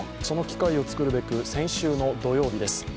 その機会を作るべく先週の土曜日です